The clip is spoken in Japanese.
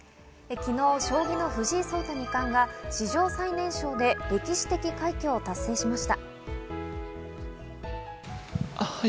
昨日、将棋の藤井聡太二冠が史上最年少で歴史的快挙を達成しました。